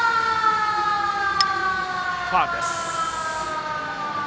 ファウルです。